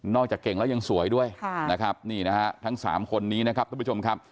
จากเก่งแล้วยังสวยด้วยนะครับนี่นะฮะทั้ง๓คนนี้นะครับทุกผู้ชมครับ